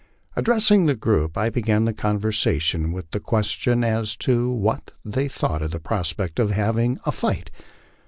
Addressing the group, I began the conversa tion with the question as to what they thought of the prospect of our having a fight.